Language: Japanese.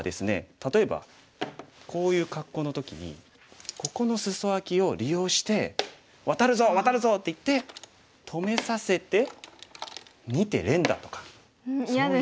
例えばこういう格好の時にここのスソアキを利用して「ワタるぞワタるぞ」って言って止めさせて２手連打とかそういう。